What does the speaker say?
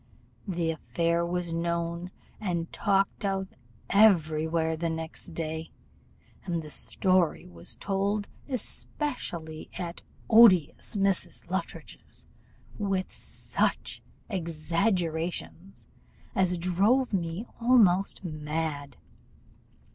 The affair was known and talked of every where the next day, and the story was told especially at odious Mrs. Luttridge's, with such exaggerations as drove me almost mad.